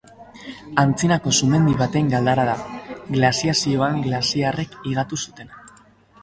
Antzinako sumendi baten galdara da, glaziazioan glaziarrek higatu zutena.